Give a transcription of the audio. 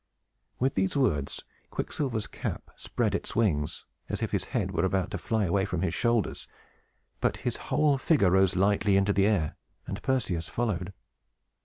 With these words, Quicksilver's cap spread its wings, as if his head were about to fly away from his shoulders; but his whole figure rose lightly into the air, and Perseus followed.